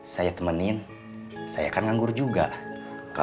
saya temenin saya akan nganggur juga